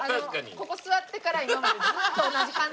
ここ座ってから今までずっと同じ感情です。